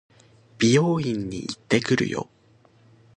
美容院に行ってくるよ。